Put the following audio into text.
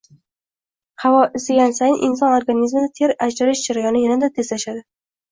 Havo isigani sayin inson organizmida ter ajralish jarayoni yanada tezlashadi